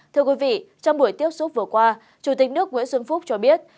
thưa quý vị trong buổi tiếp xúc vừa qua chủ tịch nước nguyễn xuân phúc cho biết